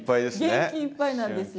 元気いっぱいなんですよ。